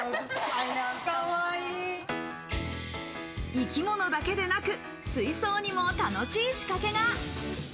生き物だけでなく水槽にも楽しい仕掛けが。